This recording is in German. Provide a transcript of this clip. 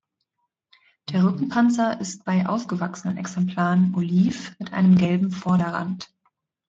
Der Rückenpanzer ist bei ausgewachsenen Exemplaren oliv mit einem gelben Vorderrand.